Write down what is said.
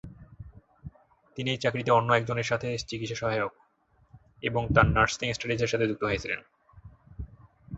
তিনি এই চাকরিতে অন্য একজনের সাথে চিকিৎসা সহায়ক এবং তার নার্সিং স্টাডিজের সাথে যুক্ত হয়েছিলেন।